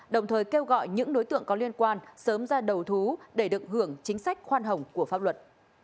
đồng thời kêu gọi những đối tượng có liên quan sớm ra đầu thú để được hưởng chính sách khoan hồng của pháp luật